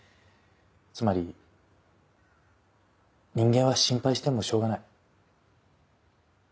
つまり人間は心配してもしょうがない。